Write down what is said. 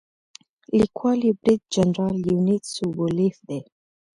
لیکوال یې برید جنرال لیونید سوبولیف دی.